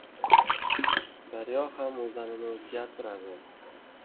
• Daryo ham o‘zanini o‘zgartiradi.